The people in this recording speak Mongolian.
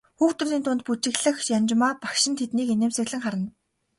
Хүүхдүүдийн дунд бүжиглэх Янжмаа багш нь тэднийг инээмсэглэн харна.